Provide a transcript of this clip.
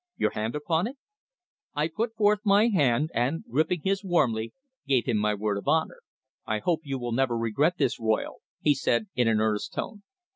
"Your hand upon it?" I put forth my hand and, gripping his warmly, gave him my word of honour. "I hope you will never regret this, Royle," he said in an earnest tone.